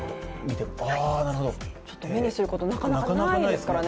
目にすること、なかなかないですからね。